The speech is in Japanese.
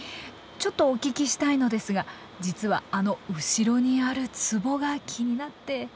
ちょっとお聞きしたいのですが実はあの後ろにあるツボが気になって。